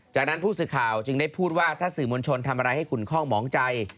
จากนั้นผู้สื่อข่าวจึงได้พูดว่าถ้าสื่อมวลชนทำอะไรให้ขุนคล่องหมองใจ